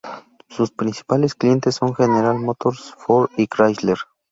Sus principales clientes son General Motors, Ford y Chrysler.